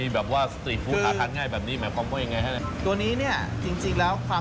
แล้วเราเอามันลงในแบบว่า